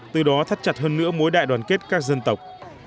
từ đó thắt chặt hơn nữa mối đại đoàn kết các dân tộc